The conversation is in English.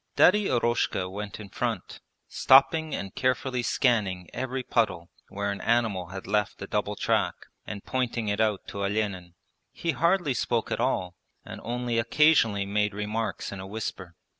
Daddy Eroshka went in front, stopping and carefully scanning every puddle where an animal had left a double track, and pointing it out to Olenin. He hardly spoke at all and only occasionally made remarks in a whisper.